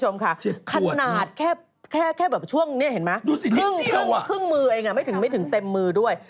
ไม่ถึงเต็มมือด้วย